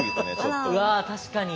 うわ確かに。